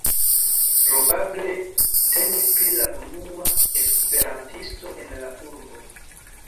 Probable temis pri la unua esperantisto en la urbo.